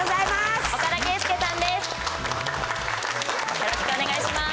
よろしくお願いします。